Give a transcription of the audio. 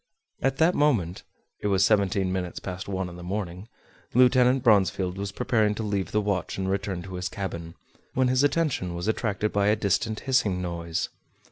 At that moment (it was seventeen minutes past one in the morning) Lieutenant Bronsfield was preparing to leave the watch and return to his cabin, when his attention was attracted by a distant hissing noise.